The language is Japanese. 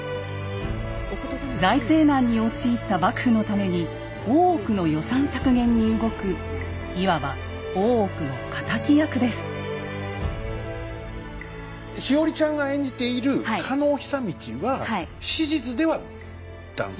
財政難に陥った幕府のために大奥の予算削減に動くいわばしほりちゃんが演じている加納久通は史実では男性？